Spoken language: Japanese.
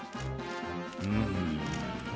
うん。